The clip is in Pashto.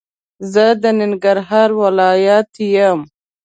زه د ننګرهار ولايت يم